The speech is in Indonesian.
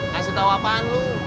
kasih tau apaan lu